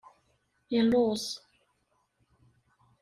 Illuẓ.